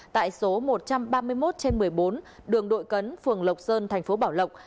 tại số một trăm ba mươi một trên một mươi bốn đường đội cấn phường lộc sơn thành phố bảo lộc